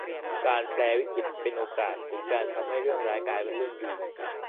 การแปรวิกฤตเป็นโอกาสหรือการทำให้เรื่องร้ายกลายเป็นดี